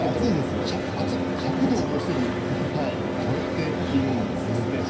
１００度をもうすでに超えているんですね。